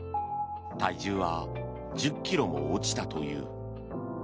体重は１０ｋｇも落ちたという。